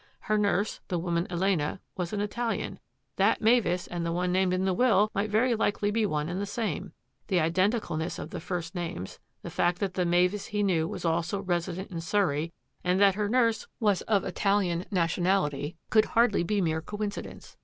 Her nurse, the woman Elena, was an Italian; that Mavis and the one named in the will might very likely be one and the same; the identicalness of the first names, the fact that the Mavis he knew was also resident in Surrey and that her nurse was of Italian nation 188 THAT AFFAIR AT THE MANOR ality could hardly be mere coincidence.